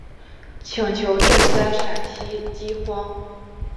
请求赈灾陕西饥荒。